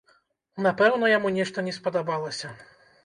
Напэўна, яму нешта не спадабалася.